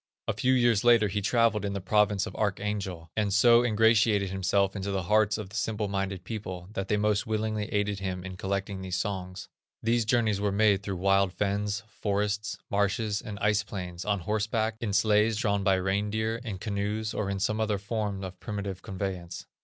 A few years later he travelled in the province of Archangel, and so ingratiated himself into the hearts of the simple minded people that they most willingly aided him in collecting these songs. These journeys were made through wild fens, forests, marshes, and ice plains, on horseback, in sledges drawn by the reindeer, in canoes, or in some other forms of primitive conveyance.